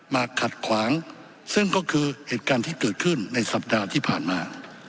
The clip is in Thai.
ขัดขวางซึ่งก็คือเหตุการณ์ที่เกิดขึ้นในสัปดาห์ที่ผ่านมา